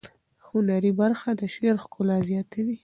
هنري برخه د شعر ښکلا زیاتوي.